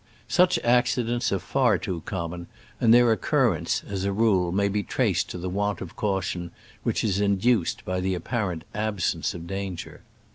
Such accidents are far too common, and their occurrence. KENNEDY ICK AXK. as a rule, may be traced to the want of caution which is induced by the apparent absence of danger.